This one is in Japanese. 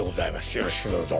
よろしくどうぞ。